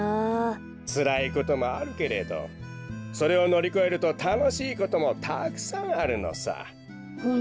つらいこともあるけれどそれをのりこえるとたのしいこともたくさんあるのさ。